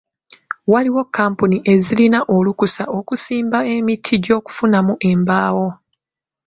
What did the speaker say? Waliwo kkampuni ezirina olukusa okusimba emiti gy'okufunamu embaawo.